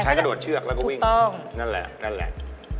ใช้ก็โดดเชือกแล้วก็วิ่งถูกต้องนั่นแหละนั่นแหละ